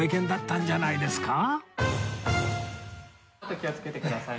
気をつけてください。